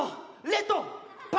レッド！